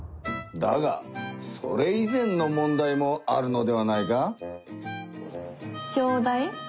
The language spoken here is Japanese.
だがそれい前の問題もあるのではないか？